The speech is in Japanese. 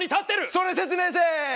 それ説明せえ！